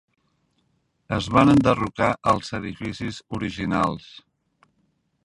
Es van enderrocar els edificis originals.